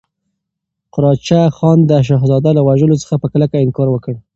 قراچه خان د شهزاده له وژلو څخه په کلکه انکار وکړ.